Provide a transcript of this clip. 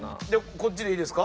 こっちでいいですか？